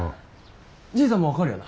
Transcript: じいさんも分かるよな？